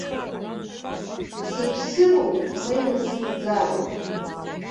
Сыԥсыроуп, ма инасыгӡароуп!